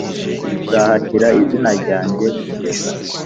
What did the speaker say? Nzahashyira izina ryanjye kugeza